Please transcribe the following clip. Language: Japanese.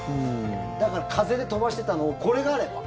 だから風で飛ばしてたのをこれがあれば。